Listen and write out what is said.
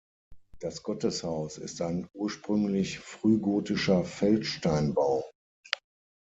Das Gotteshaus ist ein ursprünglich frühgotischer Feldsteinbau.